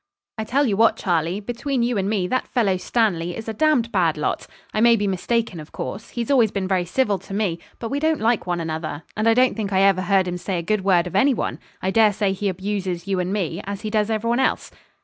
I tell you what, Charlie, between you and me, that fellow, Stanley, is a d d bad lot. I may be mistaken, of course; he's always been very civil to me, but we don't like one another; and I don't think I ever heard him say a good word of any one, I dare say he abuses you and me, as he does everyone else.'